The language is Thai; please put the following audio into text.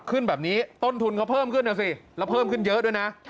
ขึ้นแบบนี้ต้นทุนเขาเพิ่มขึ้นนะสิแล้วเพิ่มขึ้นเยอะด้วยนะ